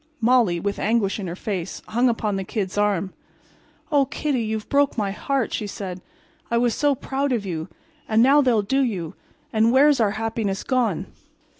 Molly, with anguish in her face, hung upon the Kid's arm. "Oh, Kiddy, you've broke my heart," she said. "I was so proud of you—and now they'll do you—and where's our happiness gone?"